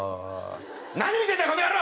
何見てんだこの野郎！